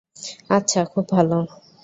আচ্ছা, খুব ভালো।